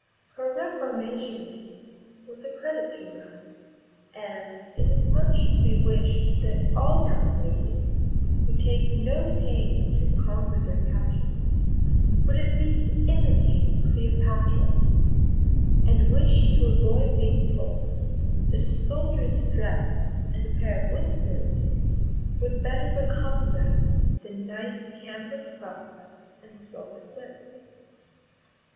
Her reformation was a credit to her; and it is much to be wished that all young ladies, who take no pains to conquer their passions, would at last imitate Cleopatra, and wish to avoid being told, that a soldier's dress and a pair of whiskers would better become them than nice cambric frocks and silk slips.